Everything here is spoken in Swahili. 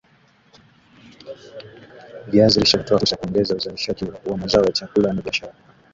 Viazi lishe hutoa fursa ya kuongeza uzalishaji wa mazao ya chakula na biashara